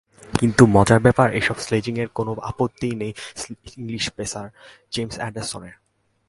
কিন্তু মজার ব্যাপার, এসব স্লেজিংয়ে কোনোই আপত্তি নেই ইংলিশ পেসার জেমস অ্যান্ডারসনের।